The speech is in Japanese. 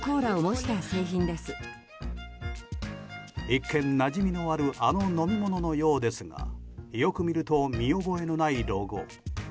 一見、なじみのあるあの飲み物のようですがよく見ると見覚えのないロゴ。